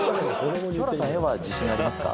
清原さん、絵は自信ありますか？